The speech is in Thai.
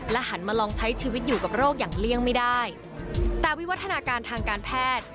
หันมาลองใช้ชีวิตอยู่กับโรคอย่างเลี่ยงไม่ได้แต่วิวัฒนาการทางการแพทย์